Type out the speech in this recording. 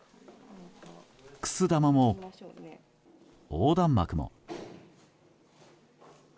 くす玉も、横断幕も。